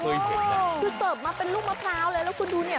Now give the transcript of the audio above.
โอ๊ยเก๋น่าจริงมากคือเติร์ฟมาเป็นรูปมะพร้าวเลยแล้วคุณดูเนี่ย